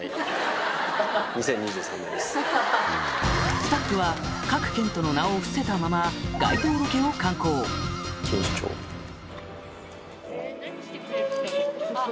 スタッフは賀来賢人の名を伏せたまま街頭ロケを敢行えすごっ！